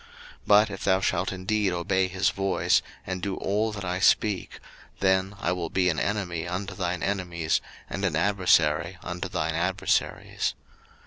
02:023:022 But if thou shalt indeed obey his voice, and do all that I speak; then I will be an enemy unto thine enemies, and an adversary unto thine adversaries.